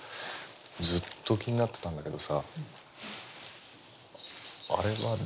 ずっと気になってたんだけどさあれは誰だっけ？